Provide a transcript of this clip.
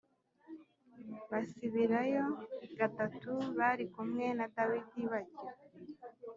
Basibirayo gatatu bari kumwe na Dawidi barya